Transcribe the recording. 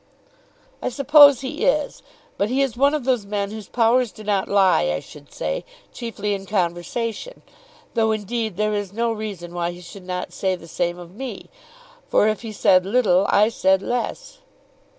"I suppose he is, but he is one of those men whose powers do not lie, I should say, chiefly in conversation. Though, indeed, there is no reason why he should not say the same of me; for if he said little, I said less."